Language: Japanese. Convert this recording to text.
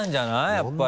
やっぱり。